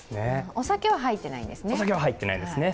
お酒は入ってないんですね？